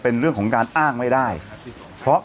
เป็นเรื่องของการอ้างไม่ได้เพราะ